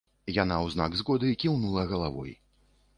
Яна ў знак згоды кіўнула галавой.